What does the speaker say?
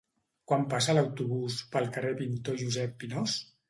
Quan passa l'autobús pel carrer Pintor Josep Pinós?